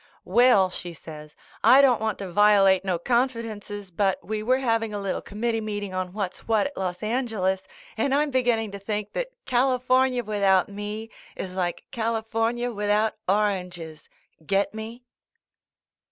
"Well," she says, "I don't want to violate no confidences, but we were having a little committee meeting on what's what at Los Angeles, and I'm beginning to think that California without me is like California without oranges. Get me?"